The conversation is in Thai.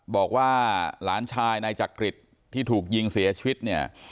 บอกว่าหลานชายนายจักริตที่ถูกยิงเสียชีวิตเนี่ย